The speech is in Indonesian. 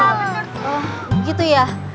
oh gitu ya